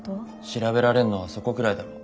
調べられんのはそこくらいだろ。